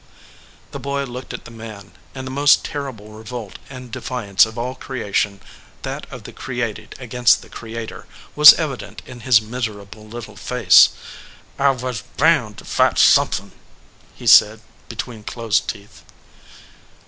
The boy looked at the man, and the most terrible revolt and defiance of all creation, that of the created against the Creator, was evident in his mis erable little face. "I was bound to fight some thin ," he said, between closed teeth.